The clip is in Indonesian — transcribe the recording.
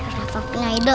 rafa penyayi dok